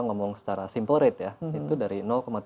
ngomong secara simple rate ya itu dari